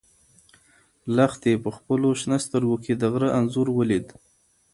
لښتې په خپلو شنه سترګو کې د غره انځور ولید.